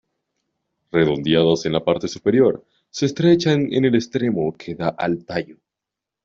Redondeadas en la parte superior, se estrechan en el extremo que da al tallo.